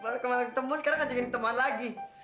baru kemana ketemu sekarang ngajakin ketemuan lagi